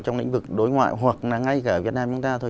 trong lĩnh vực đối ngoại hoặc là ngay cả ở việt nam chúng ta thôi